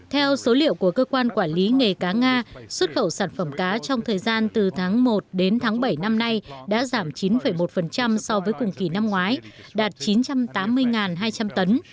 theo số liệu của cơ quan quản lý nghề cá nga xuất khẩu sản phẩm cá trong thời gian từ tháng một đến tháng bảy năm nay đã giảm chín một so với cùng kỳ năm ngoái đạt chín trăm tám mươi hai trăm linh tấn